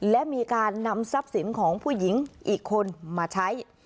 และมีการนำทรัพย์สินของผู้หญิงอีกคนมาใช้